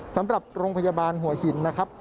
สำหรับโรงพยาบาลหัวหินนะครับ